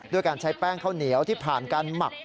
ด้วยการใช้แป้งข้าวเหนียวที่ผ่านการหมัก